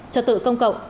trật tự công cộng